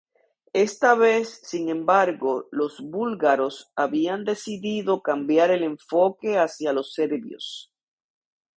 Esta vez, sin embargo, los búlgaros habían decidido cambiar el enfoque hacia los serbios.